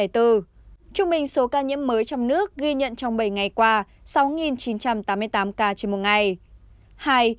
trung bình số ca nhiễm mới trong nước ghi nhận trong bảy ngày qua sáu chín trăm tám mươi tám ca trên một ngày